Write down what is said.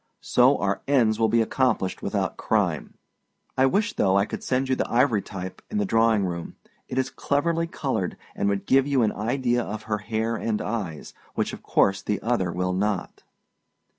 So our ends will be accomplished without crime. I wish, though, I could send you the ivorytype in the drawing room; it is cleverly colored, and would give you an idea of her hair and eyes, which of course the other will not.